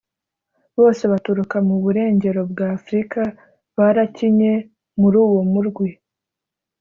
bose baturuka mu burengero bwa Afrika barakinye muri uwo murwi